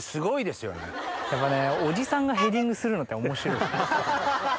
やっぱねおじさんがヘディングするのって面白い。